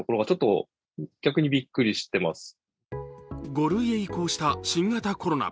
５類へ移行した新型コロナ。